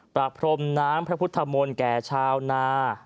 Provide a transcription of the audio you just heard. ประพรมน้ำพระพุทธมนต์แก่ชาวนา